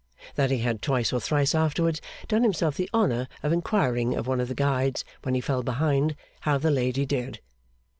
That he had, twice or thrice afterwards, done himself the honour of inquiring of one of the guides, when he fell behind, how the lady did.